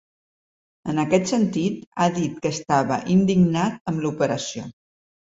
En aquest sentit, ha dit que estava indignat amb l’operació.